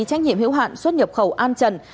trách nhiệm hữu hạn xuất nhập khẩu an trần